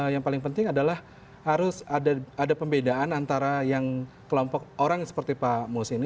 yang paling penting adalah harus ada pembedaan antara yang kelompok orang seperti pak mus ini